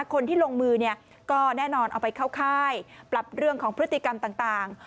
คนที่ลงมือเนี่ยก็แน่นอนเอาไปเข้าค่ายปรับเรื่องของพฤติกรรมต่าง